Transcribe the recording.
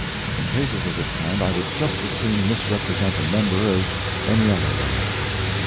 In cases of this kind, I would just as soon misrepresent a member as any other way.